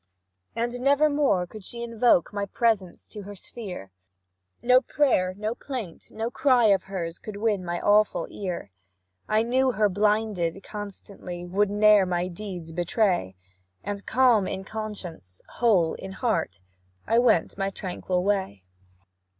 "And never more could she invoke My presence to her sphere; No prayer, no plaint, no cry of hers Could win my awful ear. I knew her blinded constancy Would ne'er my deeds betray, And, calm in conscience, whole in heart. I went my tranquil way.